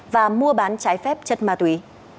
và mua bán trái phép chất ma túy